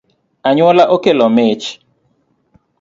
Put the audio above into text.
Anyuola okelo mich